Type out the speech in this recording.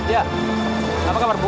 ya apa kabar bu